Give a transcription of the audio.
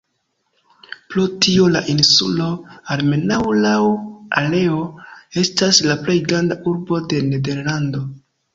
Pro tio la insulo, almenaŭ laŭ areo, estas la "plej granda urbo de Nederlando".